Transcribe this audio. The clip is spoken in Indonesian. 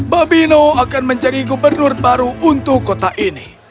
babino akan menjadi gubernur baru untuk kota ini